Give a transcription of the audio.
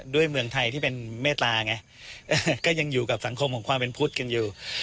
เมืองไทยที่เป็นเมตตาไงก็ยังอยู่กับสังคมของความเป็นพุทธกันอยู่